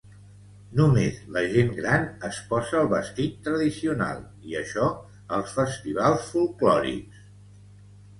Només la gent gran es posa el vestit tradicional, i això als festivals folklòrics.